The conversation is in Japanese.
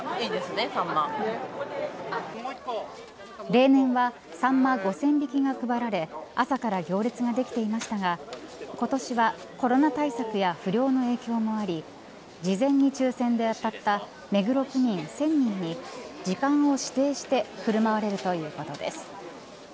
例年はさんま５０００匹が配られ朝から行列ができていましたが今年はコロナ対策や不漁の影響もあり事前に抽選で当たった目黒区民１０００人に時間を指定して振る舞われるということです。